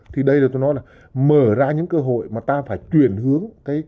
thì đây là tôi nói là mở ra những cơ hội mà ta phải chuyển hướng